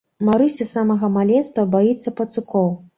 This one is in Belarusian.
Марыся з самага маленства баіцца пацукоў.